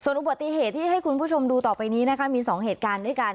อุบัติเหตุที่ให้คุณผู้ชมดูต่อไปนี้นะคะมี๒เหตุการณ์ด้วยกัน